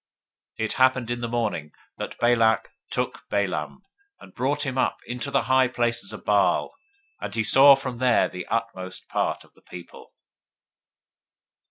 022:041 It happened in the morning, that Balak took Balaam, and brought him up into the high places of Baal; and he saw from there the utmost part of the people.